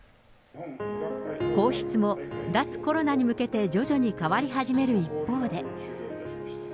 皇室も脱コロナに向けて徐々に変わり始める一方で。